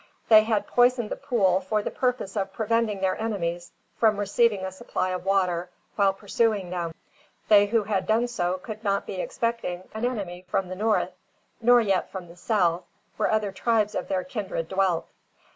They had poisoned the pool for the purpose of preventing their enemies from receiving a supply of water while pursuing them. They who had done so could not be expecting an enemy from the north, nor yet from the south, where other tribes of their kindred dwelt.